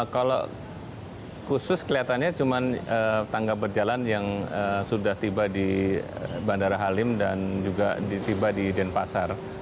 kalau khusus kelihatannya cuma tangga berjalan yang sudah tiba di bandara halim dan juga tiba di denpasar